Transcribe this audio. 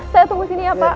saya tunggu sini ya pak